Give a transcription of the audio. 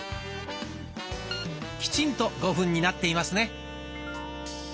きちんと５分になっていますね。